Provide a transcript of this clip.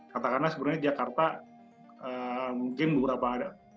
katakanlah sebenarnya jakarta mungkin beberapa ada